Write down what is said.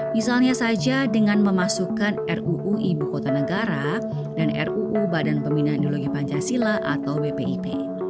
misalnya saja dengan memasukkan ruu ibu kota negara dan ruu badan pembinaan ideologi pancasila atau bpip